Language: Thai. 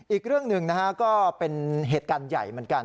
อีกเรื่องหนึ่งนะฮะก็เป็นเหตุการณ์ใหญ่เหมือนกัน